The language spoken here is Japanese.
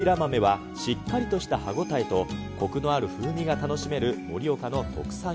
平たく大粒の黒平豆は、しっかりとした歯応えと、こくのある風味が楽しめる盛岡の特産品。